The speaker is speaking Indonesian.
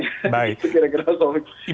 itu kira kira sombik